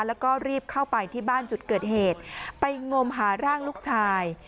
แล้วก็รีบเข้าไปที่บ้านจุดเกิดเหตุไปงมหาร่างลูกชาย